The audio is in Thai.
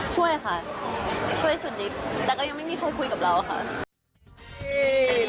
ช่วยค่ะช่วยสุดนิดแต่ก็ยังไม่มีใครคุยกับเราค่ะ